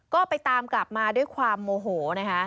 ก็ไปตามกลับมาด้วยความโมโหนะคะ